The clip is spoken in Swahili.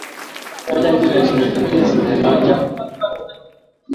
viazi lishe faida zake ni nyingi kuliko viazi vingine